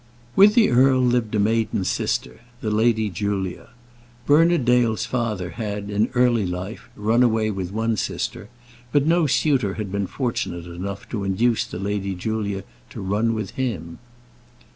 With the earl lived a maiden sister, the Lady Julia. Bernard Dale's father had, in early life, run away with one sister, but no suitor had been fortunate enough to induce the Lady Julia to run with him.